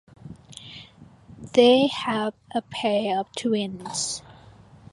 They have a pair of twins.